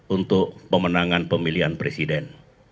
untuk pemenangan pemilihan presiden